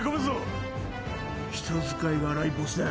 人使いが荒いボスだ。